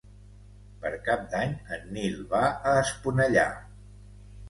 Per Cap d'Any en Nil va a Esponellà.